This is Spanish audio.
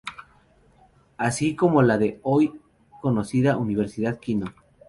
Así como el de la hoy conocida Universidad Kino.